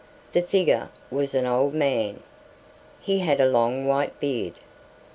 The figure was an old man. He had a long white beard.